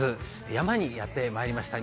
山にやってまいりました、